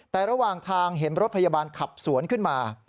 แต่ระหว่างทางเห็นรถพยาบาลขับสวนขึ้นมา